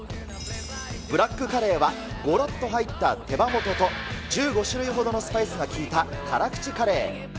ブラックカレーは、ごろっと入った手羽元と、１５種類ほどのスパイスが効いた、辛口カレー。